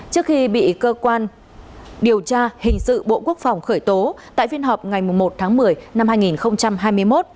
trước khi bị cơ quan điều tra hình sự bộ quốc phòng khởi tố tại phiên họp ngày một tháng một mươi năm hai nghìn hai mươi một